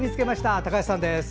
高橋さんです。